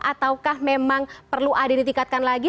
ataukah memang perlu ada yang ditingkatkan lagi